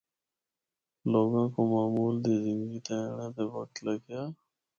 لوگاں کو معمول دی زندگی تے اینڑے تے وقت لگیا۔